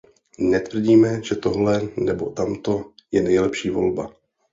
Netvrdíme, že tohle nebo tamto je nejlepší volba.